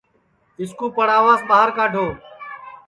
اِس کُو پڑاواس ٻہار کڈؔو